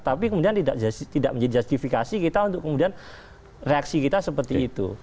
tapi kemudian tidak menjadi justifikasi kita untuk kemudian reaksi kita seperti itu